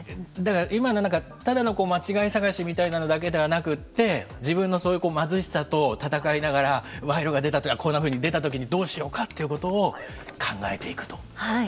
今のただの間違い探しみたいなのだけではなくて自分の貧しさと戦いながら賄賂が出たときにどうしようかということを考えていくと。